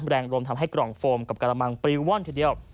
แรงลมทำให้กล่องโฟมกับกระมังปลิวว่อนทีเดียว